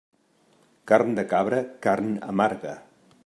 Carn de cabra, carn amarga.